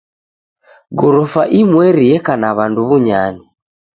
Ghorofa imweri eka na w'andu w'unyanya.